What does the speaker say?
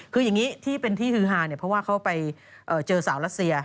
คืออย่างนี้ที่เป็นที่ฮือฮาเนี่ยเพราะว่าเขาไปเจอสาวรัสเซีย